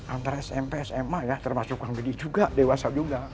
antara smp sma ya termasuk kang biddi juga dewasa juga